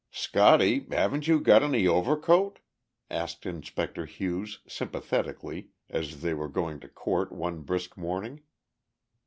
"Scotty, haven't you got any overcoat?" asked Inspector Hughes, sympathetically, as they were going to court one brisk morning.